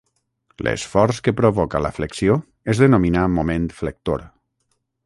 L'esforç que provoca la flexió es denomina moment flector.